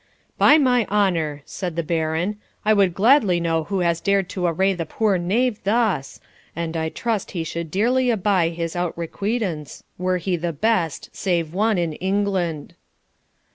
'By my honour,' said the Baron, 'I would gladly know who has dared to array the poor knave thus; and I trust he should dearly abye his outrecuidance, were he the best, save one, in England.'